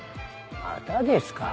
またですか？